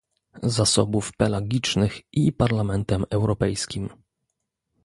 Zasobów Pelagicznych i Parlamentem Europejskim